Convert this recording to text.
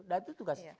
dan itu tugasnya